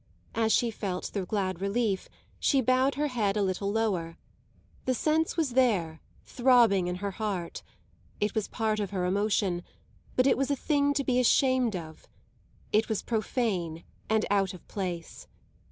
As she felt the glad relief she bowed her head a little lower; the sense was there, throbbing in her heart; it was part of her emotion, but it was a thing to be ashamed of it was profane and out of place.